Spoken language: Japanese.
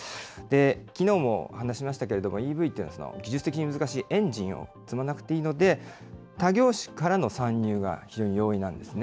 きのうも話しましたけれども、ＥＶというのは技術的に難しいエンジンを積まなくていいので、他業種からの参入が非常に容易なんですね。